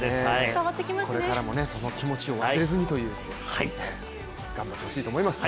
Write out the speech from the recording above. これからもその気持ちを忘れずに頑張ってほしいと思います。